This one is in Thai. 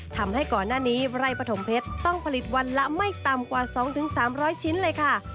ทำให้ก่อนหน้านี้ไร่ปฐมเพชรต้องผลิตวันละไม่ต่ำกว่า๒๓๐๐ชิ้นเลยค่ะ